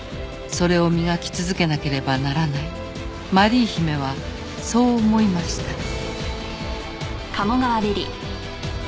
「それを磨き続けなければならない」「マリー姫はそう思いました」